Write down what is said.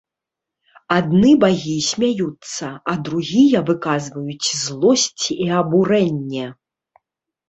Адны багі смяюцца, а другія выказваюць злосць і абурэнне.